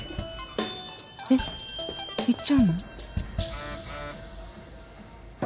えっ行っちゃうの？